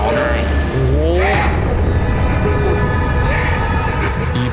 ครับก็จากงานสับปะเหลอโลก